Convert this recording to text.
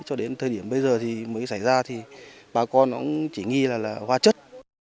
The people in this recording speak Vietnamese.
sự việc khiến cho người dân ở đây rất lo lắng bất an